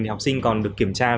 thì học sinh còn được kiểm tra được